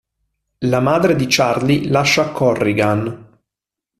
La madre di Charlie lascia Corrigan.